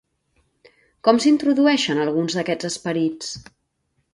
Com s'introdueixen alguns d'aquests esperits?